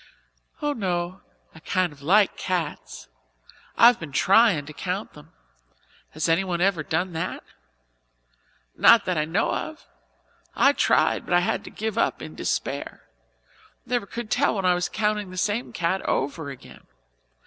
"Oh, no; I kind of like cats. I've been tryin' to count them. Has anyone ever done that?" "Not that I know of. I tried but I had to give up in despair never could tell when I was counting the same cat over again.